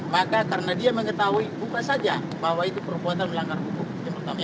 maka karena dia mengetahui buka saja bahwa itu perbuatan melanggar hukum